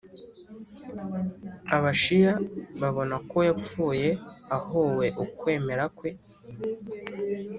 abashiya babona ko yapfuye ahowe ukwemera kwe